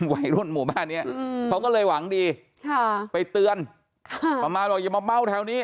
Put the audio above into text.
ไวรุ่นหมู่บ้านเนี้ยอือเขาก็เลยหวังดีค่ะไปเตือนค่ะมาบอกอย่ามาเมาท์แถวนี้